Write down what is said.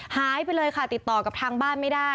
หายไปเลยค่ะติดต่อกับทางบ้านไม่ได้